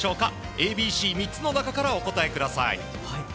ＡＢＣ、３つの中からお答えください。